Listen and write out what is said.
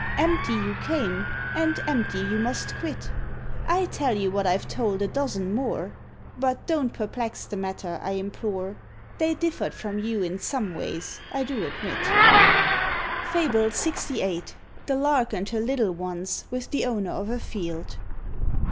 Empty you came, and empty you must quit: I tell you what I've told a dozen more. But don't perplex the matter, I implore; They differed from you in some ways, I do admit." FABLE LXVIII. THE LARK AND HER LITTLE ONES WITH THE OWNER OF A FIELD.